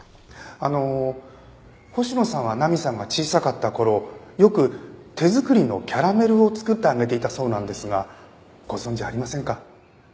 あの星野さんは菜美さんが小さかった頃よく手作りのキャラメルを作ってあげていたそうなんですがご存じありませんか？